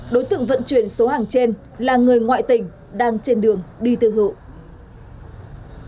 đối tượng vận chuyển số hàng trên là người ngoại tỉnh đang trên đường đi tương hợp